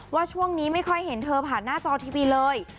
ว่าช่วงนี้ไม่ค่อยเห็นเธอผ่านหน้าจอทีวีเลย